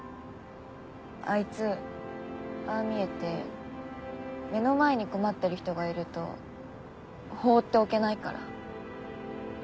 あいつああ見えて目の前に困ってる人がいると放っておけないから。